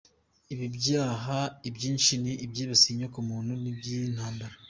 Ibi byaha ibyinshi ni ibyibasiye inyoko muntu n’iby’intambara.